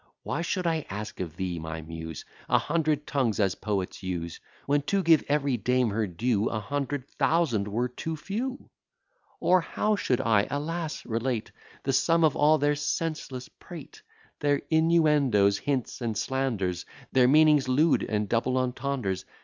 Why should I ask of thee, my Muse, A hundred tongues, as poets use, When, to give every dame her due, A hundred thousand were too few? Or how should I, alas! relate The sum of all their senseless prate, Their innuendoes, hints, and slanders, Their meanings lewd, and double entendres?